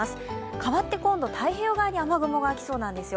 変わって今度、太平洋側に雨雲が来そうなんですよ。